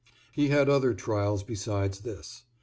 He had other trials besides this.